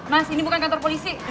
mas ini bukan kantor polisi